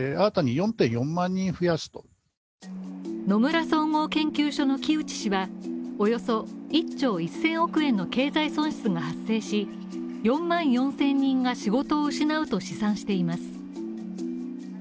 野村総合研究所の木内氏はおよそ１兆１０００億円の経済損失が発生し、４万４０００人が仕事を失うと試算しています。